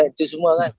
itu semua kan